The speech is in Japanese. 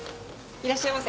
いらっしゃいませ。